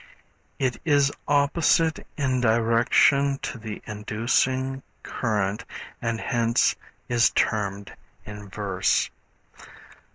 It is opposite in direction to the inducing current and hence is termed inverse.